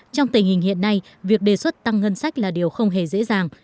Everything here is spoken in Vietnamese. trong tình hình hiện nay việc đề xuất tăng ngân sách là điều không hề dễ dàng